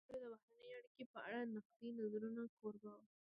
ازادي راډیو د بهرنۍ اړیکې په اړه د نقدي نظرونو کوربه وه.